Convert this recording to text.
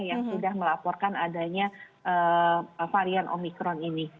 yang sudah melaporkan adanya varian omikron ini